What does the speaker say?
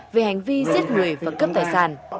về hành vi giết người và cướp tài sản